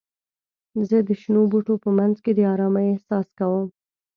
زه د شنو بوټو په منځ کې د آرامۍ احساس کوم.